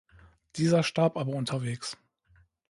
Dieser starb aber unterwegs.